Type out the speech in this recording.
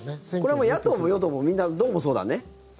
これは野党も与党もみんなどこもそうだね。